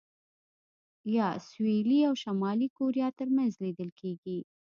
یا سوېلي او شمالي کوریا ترمنځ لیدل کېږي.